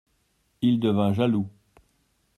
Il devint jaloux.